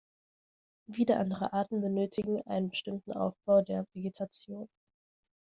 Wieder andere Arten benötigen einen bestimmten Aufbau der Vegetation.